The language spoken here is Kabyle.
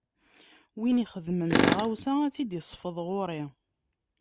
Win ixedmen taɣawsa, ad tt-id-isfeḍ ɣuṛ-i.